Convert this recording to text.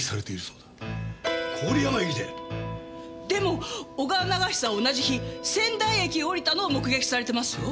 でも小川長久は同じ日仙台駅を降りたのを目撃されてますよ。